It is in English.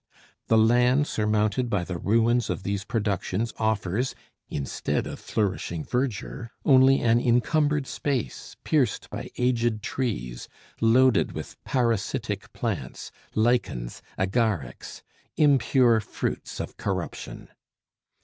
The land surmounted by the ruins of these productions offers, instead of flourishing verdure, only an incumbered space pierced by aged trees, loaded with parasitic plants, lichens, agarics impure fruits of corruption.